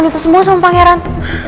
ganteng semua sama pangeran